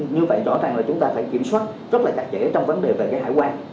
như vậy rõ ràng là chúng ta phải kiểm soát rất là chặt chẽ trong vấn đề về cái hải quan